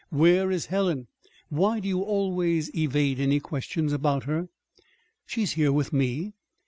Where is Helen? Why do you always evade any questions about her?" "She is here with me."